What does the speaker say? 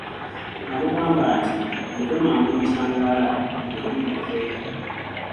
N'abugamba nti, muve mangu mu kyangaala mugende mwekweke.